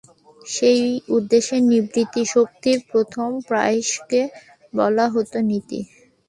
সেই উদ্দেশ্যে নিবৃত্তিশক্তির প্রথম প্রয়াসকে বলা হয় নীতি।